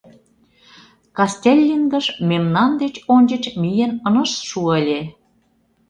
— Кастеллингыш мемнан деч ончыч миен ынышт шу ыле.